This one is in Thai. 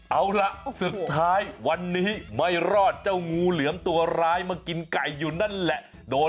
เอาล่ะสุดท้ายวันนี้ไม่รอดเจ้างูเหลือมตัวร้ายมากินไก่อยู่นั่นแหละ